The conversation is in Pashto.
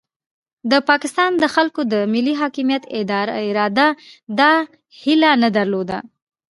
د پاکستان د خلکو د ملي حاکمیت اراده دا هیله نه درلوده.